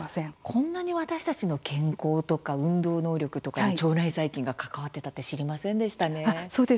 こんなに私たちの健康とか運動能力とかに腸内細菌が関わっていたって知りませんでしたね。